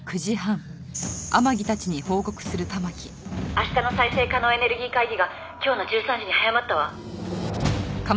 「明日の再生可能エネルギー会議が今日の１３時に早まったわ」